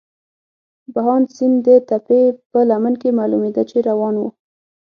بهاند سیند د تپې په لمن کې معلومېده، چې روان وو.